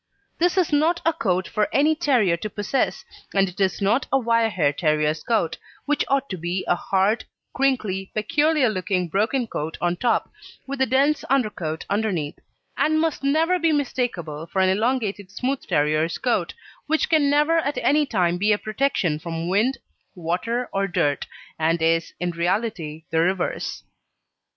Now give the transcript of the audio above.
This is not a coat for any terrier to possess, and it is not a wire hair terrier's coat, which ought to be a hard, crinkly, peculiar looking broken coat on top, with a dense undercoat underneath, and must never be mistakable for an elongated smooth terrier's coat, which can never at any time be a protection from wind, water, or dirt, and is, in reality, the reverse.